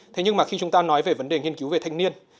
thế nhưng mà khi chúng ta nói về vấn đề nghiên cứu về thanh niên